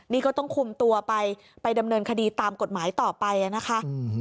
นี่ก็ต้องคุมตัวไปไปดำเนินคดีตามกฎหมายต่อไปนะคะ